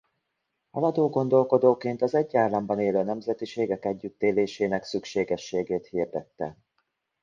Haladó gondolkodóként az egy államban élő nemzetiségek együttélésének szükségességét hirdette.